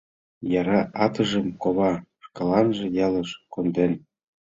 Яра атыжым кова шкаланже ялыш конден.